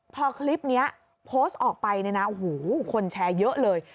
พอคลิปนี้โพสต์ออกไปเนี่ยนะโอ้โหคนแชร์เยอะเลย